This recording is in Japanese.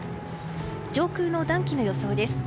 上空の暖気の予想です。